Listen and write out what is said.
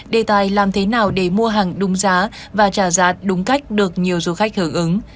đề tài làm thế nào để mua hàng đúng giá và trả giá đúng cách được nhiều du khách hưởng ứng